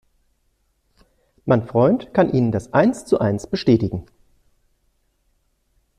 Mein Freund kann Ihnen das eins zu eins bestätigen.